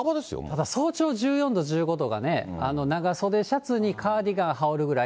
まだ早朝１４度、１５度がね、長袖シャツにカーディガン羽織るぐらい。